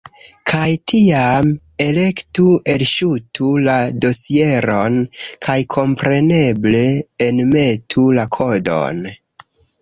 Kaj tiam, elektu "Elŝutu la dosieron", kaj kompreneble, enmetu la kodon.